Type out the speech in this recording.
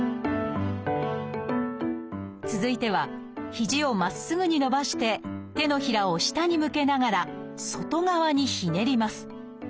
続いては肘をまっすぐに伸ばして手のひらを下に向けながら外側にひねります。